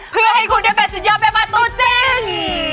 เพื่อให้คุณได้เป็นสุดยอดแม่บ้านตัวจริง